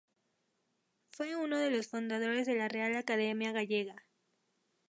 Fue uno de los fundadores de la Real Academia Gallega.